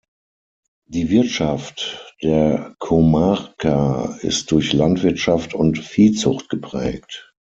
Die Wirtschaft der Comarca ist durch Landwirtschaft und Viehzucht geprägt.